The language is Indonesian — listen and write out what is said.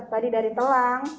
biru tadi dari telang